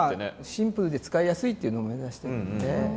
シンプルで使いやすいっていうのを目指してるんで。